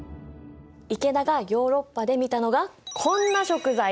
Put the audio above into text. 池田がヨーロッパで見たのがこんな食材。